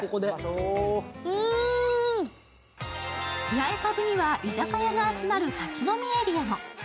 ヤエパブには居酒屋が集まる立ち飲みエリアも。